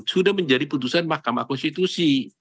sudah menjadi putusan mahkamah konstitusi